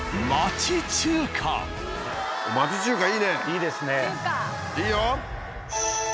いいよ！